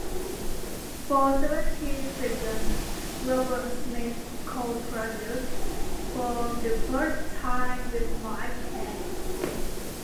For "Seventeen Seconds", Robert Smith co-produced for the first time with Mike Hedges.